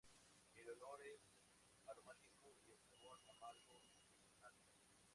El olor es aromático y el sabor amargo y acre.